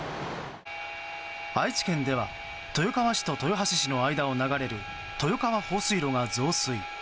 愛知県では豊川市と豊橋市の間を流れる豊川放水路が増水。